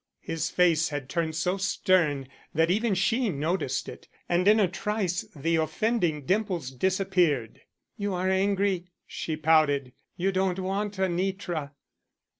His face had turned so stern that even she noticed it, and in a trice the offending dimples disappeared. "You are angry," she pouted. "You don't want Anitra.